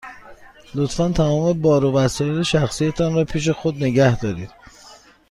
لطفاً تمام بار و وسایل شخصی تان را پیش خود نگه دارید.